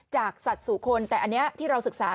จากสัตว์สู่คนแต่อันนี้ที่เราศึกษา